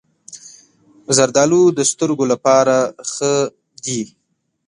زردالو د سترګو لپاره ښه دي.